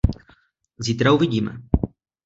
Zítra uvidíme.